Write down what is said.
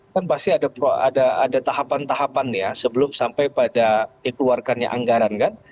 kan pasti ada tahapan tahapan ya sebelum sampai pada dikeluarkannya anggaran kan